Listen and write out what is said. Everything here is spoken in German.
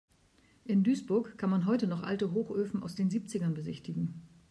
In Duisburg kann man heute noch alte Hochöfen aus den Siebzigern besichtigen.